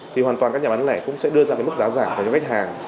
thì hoàn toàn các nhà bán lẻ cũng sẽ đưa ra mức giá giảm cho những khách hàng